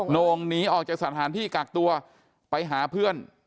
โน่งหนีออกจากสถานที่กักตัวไปหาเพื่อน